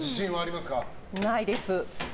ないです。